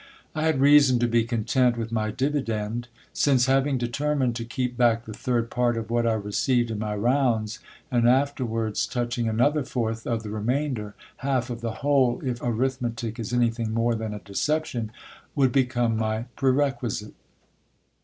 I had reason to be content with my dividend ; since, having determined to keep back the third part of what I received in my rounds, and afterwards touch ing another fourth of the remainder, half of the whole, if arithmetic is anything more than a deception, would become my perquisite.